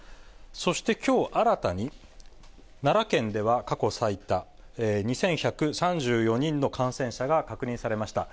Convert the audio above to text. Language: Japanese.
そしてきょう、新たに奈良県では過去最多２１３４人の感染者が確認されました。